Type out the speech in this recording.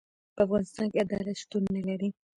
په افغانستان کي عدالت شتون نلري.